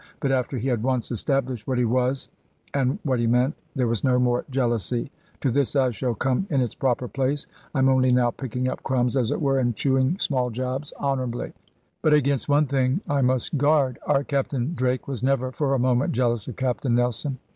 But after he had once established what he was, and what he meant, there was no more jealousy. To this I shall come in its proper place; I am only now picking up crumbs, as it were, and chewing small jobs honourably. But against one thing I must guard. Our Captain Drake was never for a moment jealous of Captain Nelson.